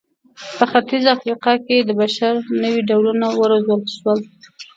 په ختیځه افریقا کې د بشر نوي ډولونه وروزل شول.